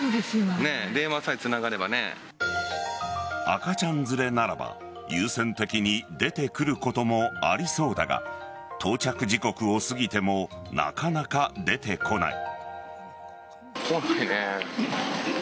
赤ちゃん連れならば優先的に出てくることもありそうだが到着時刻を過ぎてもなかなか出てこない。